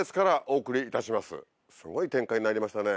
すごい展開になりましたね。